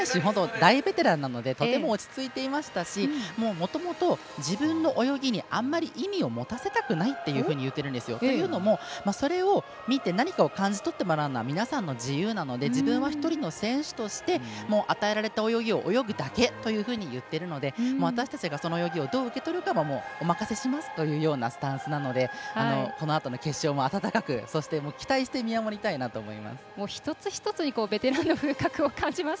大ベテランなのでとても落ち着いていましたしもともと、自分の泳ぎにあんまり意味を持たせなくないというふうに言っているんですよ。というのも、それを見て何かを感じ取ってもらうのは皆さんの自由なので自分は１人の選手として与えられた泳ぎを泳ぐだけというふうに言っているので私たちがその泳ぎをどう受け取るかはお任せしますというスタンスなのでこのあとの決勝も温かく期待して見守りたいなと思います。